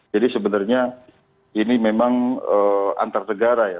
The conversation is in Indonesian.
jadi sebenarnya ini memang antar negara ya